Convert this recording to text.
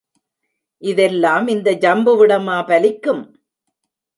இதெல்லாம் இந்த ஜம்புவிடமா பலிக்கும்?